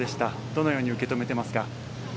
どのように受け止めていますか？